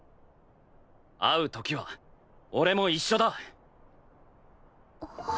会う時は俺も一緒だ。